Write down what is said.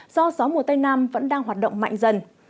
do gió mùa tây nam vẫn đang hoạt động mạnh dần